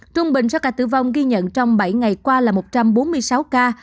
trung bình số ca tử vong ghi nhận trong bảy ngày qua là một trăm bốn mươi sáu ca